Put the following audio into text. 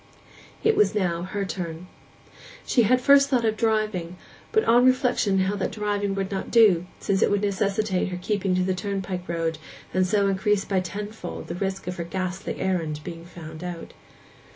It was now her turn. She at first had thought of driving, but on reflection held that driving would not do, since it would necessitate her keeping to the turnpike road, and so increase by tenfold the risk of her ghastly errand being found out.